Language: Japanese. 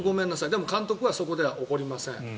でも監督はそこでは怒りません。